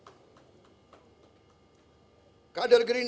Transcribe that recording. saya anjurkan dan saya ajarkan